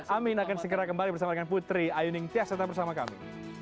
amin akan segera kembali bersama dengan putri ayuning tias tetap bersama kami